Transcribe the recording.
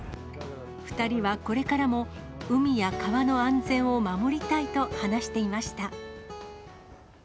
２人はこれからも、海や川の安全を守りたいと話していました。